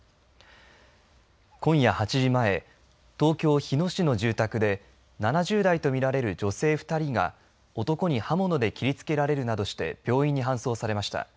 今夜８時前東京、日野市の住宅で７０代と見られる女性２人が男に刃物で切りつけられるなどして病院に搬送されました。